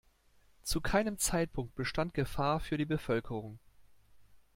Zu keinem Zeitpunkt bestand Gefahr für die Bevölkerung.